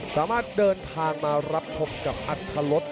สามารถเดินทางมารับชมกับอัตภรศ